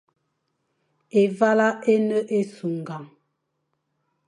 Évala é ne ésughga.